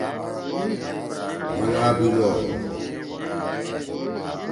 بھنگا بِلو: